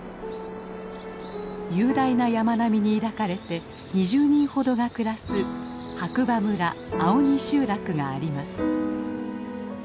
雄大な山並みに抱かれて２０人ほどが暮らす白馬村青鬼集落があります。